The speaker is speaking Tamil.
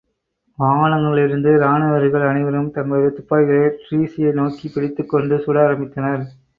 வாகனங்களிலிருந்த ராணுவ வீரர்கள் அனைவரும் தங்களுடைய துப்பாக்கிகளை டிரீஸியை நோக்கிப் பிடித்துக் கொண்டு சுட ஆரம்பித்தனர்.